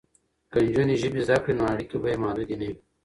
که نجونې ژبې زده کړي نو اړیکې به یې محدودې نه وي.